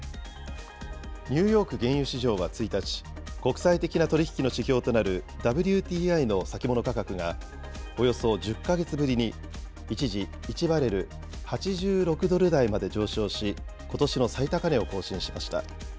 ニューヨーク原油市場は１日、国際的な取り引きの指標となるＷＴＩの先物価格が、およそ１０か月ぶりに一時１バレル８６ドル台まで上昇し、ことしの最高値を更新しました。